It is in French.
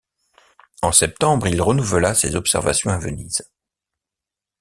En septembre, il renouvela ses observations à Venise.